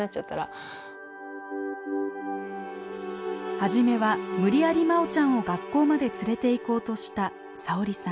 初めは無理やりまおちゃんを学校まで連れていこうとしたさおりさん。